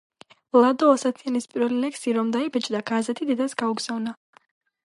ლადო ასათიანის პირველი ლექსი რომ დაიბეჭდა, გაზეთი დედას გაუგზავნა.